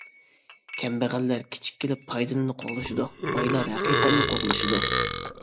كەمبەغەللەر كىچىككىنە پايدىنىلا قوغلىشىدۇ، بايلار ھەقىقەتنى قوغلىشىدۇ.